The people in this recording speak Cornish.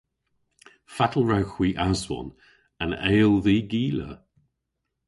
Fatel wrewgh hwi aswon an eyl dh'y gila?